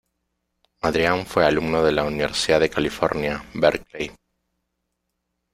Adrian fue alumno de la Universidad de California, Berkeley.